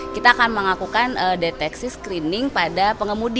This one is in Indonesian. kita akan melakukan deteksi screening pada pengemudi